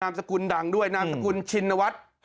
นามสกุลดังด้วยนามสกุลชิณวัตร